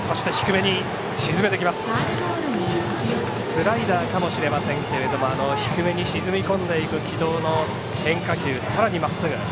スライダーかもしれませんが低めに沈み込んでいく軌道の変化球、さらにまっすぐ。